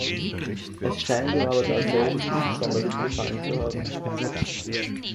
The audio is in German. Es scheint ihm aber daselbst nicht sonderlich gefallen zu haben.